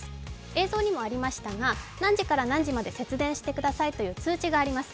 映像にもありましたが、何時から何時まで節電してくださいという通知があります